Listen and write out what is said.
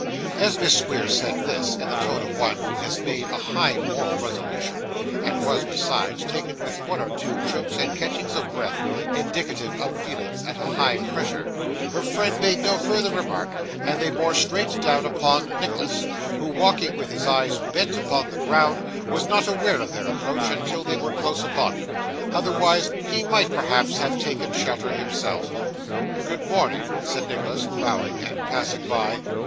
As Miss Squeers said this, in the tone of one who has made a high moral resolution, and was, besides, taken with one or two chokes and catchings of breath, indicative of feelings at a high pressure, her friend made no further remark, and they bore straight down upon Nicholas, who, walking with his eyes bent upon the ground, was not aware of their approach until they were close upon him; otherwise, he might, perhaps, have taken shelter himself. 'Good morning,' said Nicholas, bowing and passing by.